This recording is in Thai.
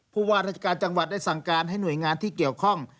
ผู้ว่าราชการจังหวัดได้สั่งการให้หน่วยงานที่เกี่ยวข้อง